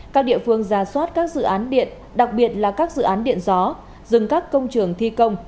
các địa phương ra soát các dự án điện đặc biệt là các dự án điện gió dừng các công trường thi công